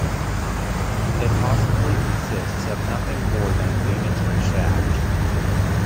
It possibly consists of nothing more than the entry shaft.